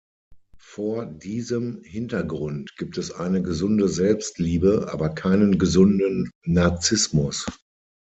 Vor diesem Hintergrund gibt es eine gesunde Selbstliebe, aber keinen gesunden Narzissmus.